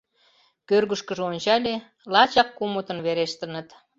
Кӧргышкыжӧ ончале: лачак кумытын верештыныт.